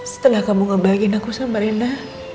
setelah kamu ngebahagiakan aku sama reina